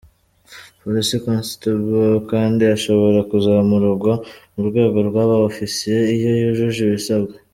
“Police Constable” kandi ashobora kuzamurwa mu rwego rw’aba Ofisiye iyo yujuje ibisabwa.